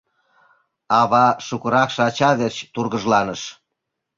Ава шукыракше ача верч тургыжланыш.